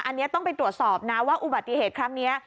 อันนี้ต้องไปตรวจสอบนะว่าอุบัติเหตุครั้งนี้